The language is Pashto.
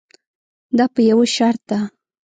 دا په یوه شرط ده.